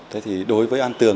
thế thì đối với an tượng